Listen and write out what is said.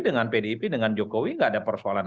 dengan pdip dengan jokowi nggak ada persoalan